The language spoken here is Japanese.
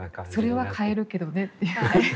それは買えるけどねっていう。